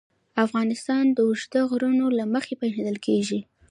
افغانستان د اوږده غرونه له مخې پېژندل کېږي.